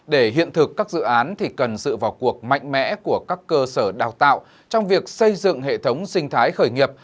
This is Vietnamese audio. để hiện thực các dự án thì cần sự vào cuộc mạnh mẽ của các cơ sở đào tạo trong việc xây dựng hệ thống sinh thái khởi nghiệp